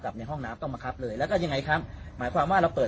ในห้องน้ำต้องบังคับเลยแล้วก็ยังไงครับหมายความว่าเราเปิด